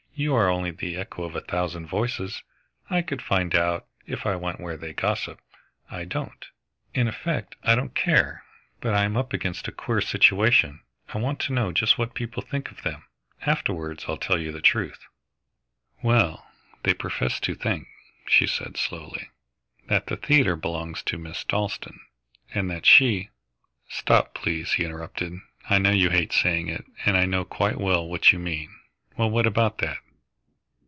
You are only the echo of a thousand voices. I could find out, if I went where they gossip. I don't. In effect I don't care, but I am up against a queer situation. I want to know just what people think of them. Afterwards I'll tell you the truth." "Well, they profess to think," she said slowly, "that the theatre belongs to Miss Dalstan, and that she " "Stop, please," he interrupted. "I know you hate saying it, and I know quite well what you mean. Well, what about that?"